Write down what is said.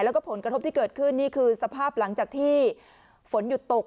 แล้วก็ผลกระทบที่เกิดขึ้นนี่คือสภาพหลังจากที่ฝนหยุดตก